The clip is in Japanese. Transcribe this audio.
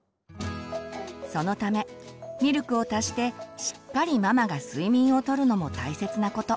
そのためミルクを足してしっかりママが睡眠をとるのも大切なこと。